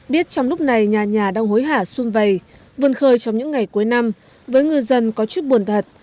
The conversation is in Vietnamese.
biết trong lúc này nhà nhà đang hối hả xuân vầy vườn khơi trong những ngày cuối năm với ngư dân có chút buồn thật